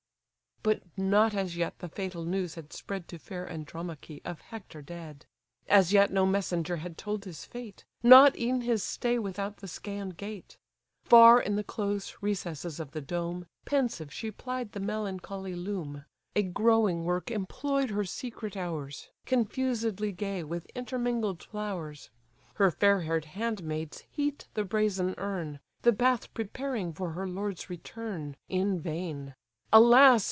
But not as yet the fatal news had spread To fair Andromache, of Hector dead; As yet no messenger had told his fate, Not e'en his stay without the Scæan gate. Far in the close recesses of the dome, Pensive she plied the melancholy loom; A growing work employ'd her secret hours, Confusedly gay with intermingled flowers. Her fair haired handmaids heat the brazen urn, The bath preparing for her lord's return In vain; alas!